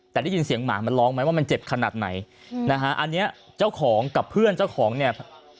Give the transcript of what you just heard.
แต่ได้ยินเสียงหมามันร้องไหมว่ามันเจ็บขนาดไหนนะฮะอันเนี้ยเจ้าของกับเพื่อนเจ้าของเนี่ย